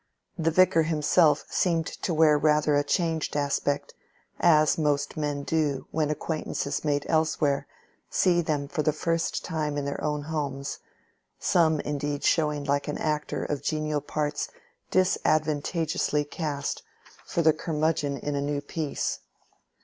The Vicar himself seemed to wear rather a changed aspect, as most men do when acquaintances made elsewhere see them for the first time in their own homes; some indeed showing like an actor of genial parts disadvantageously cast for the curmudgeon in a new piece.